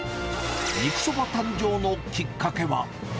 肉そば誕生のきっかけは？